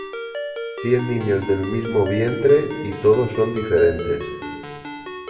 Cien niños del mismo vientre y todos son diferentes.